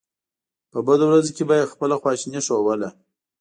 په بدو ورځو کې به یې خپله خواشیني ښودله.